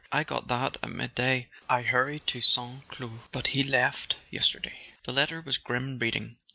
"I got that at midday. I hurried to St. Cloud—but he left yesterday." The letter was grim reading.